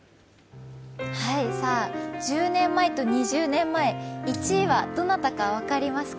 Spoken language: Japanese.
１０年前と２０年前、１位はどなたか分かりますか？